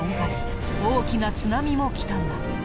大きな津波も来たんだ。